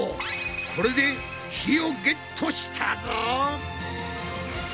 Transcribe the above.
これで火をゲットしたぞ！